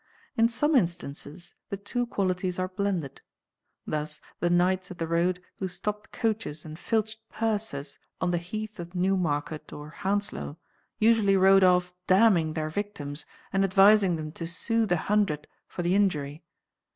In some instances the two qualities are blended. Thus the knights of the road who stopped coaches and filched purses on the heath of Newmarket or Hounslow usually rode off "damning" their victims and advising them to sue the hundred for the injury.